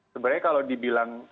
sebenarnya kalau dibilang